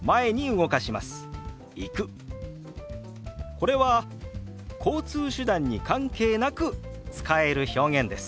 これは交通手段に関係なく使える表現です。